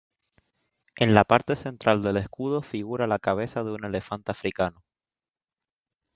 En la parte central del escudo figura la cabeza de un elefante africano.